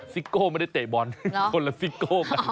ซิโก้ไม่ได้เตะบอลคนละซิโก้กัน